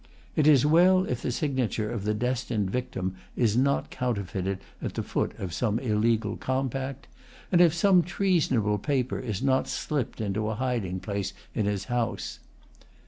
It is well if the signature of the destined victim is not counterfeited at the foot of some illegal compact, and if some treasonable paper is not slipped into a hiding place in his house.